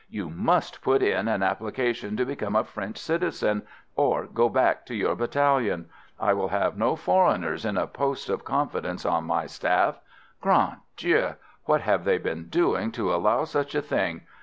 "You must put in an application to become a French citizen, or go back to your battalion. I will have no foreigners in a post of confidence on my staff. Grand Dieu! what have they been doing to allow such a thing?